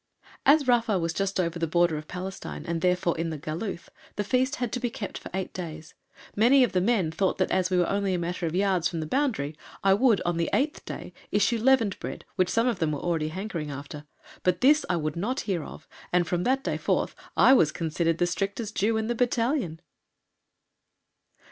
As Rafa was just over the border of Palestine, and therefore in the "Galuth," the Feast had to be kept for eight days. Many of the men thought that, as we were only a matter of yards from the boundary, I would on the eighth day issue leavened bread, which some of them were already hankering after, but this I would not hear of, and from that day forth I was considered the strictest Jew in the battalion!